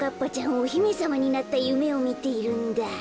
おひめさまになったゆめをみているんだ。